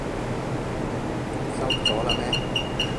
收咗喇咩？